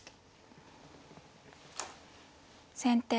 先手